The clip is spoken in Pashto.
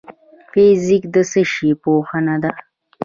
فزیک د څه شي پوهنه ده؟